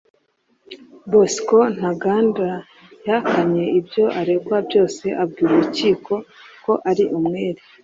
Bosco Ntaganda yahakanye ibyo aregwa byose abwira urukiko ko ari umwere